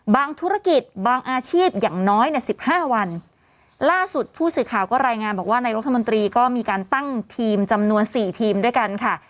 ธุรกิจบางอาชีพอย่างน้อยเนี่ยสิบห้าวันล่าสุดผู้สื่อข่าวก็รายงานบอกว่านายรัฐมนตรีก็มีการตั้งทีมจำนวนสี่ทีมด้วยกันค่ะ